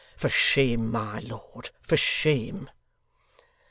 For shame, my lord, for shame!